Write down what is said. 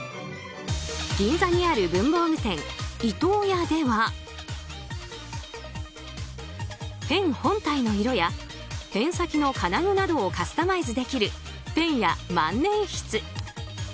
銀座にある文房具店、伊東屋ではペン本体の色やペン先の金具などをカスタマイズできるペンや万年筆。